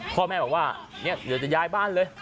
พ่อแม่บอกว่าเดี๋ยวจะย้ายบ้านเลย